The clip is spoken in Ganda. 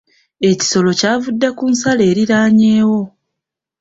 Ekisolo kyavude ku nsalo eriraanyeewo.